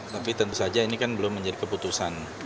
tapi tentu saja ini kan belum menjadi keputusan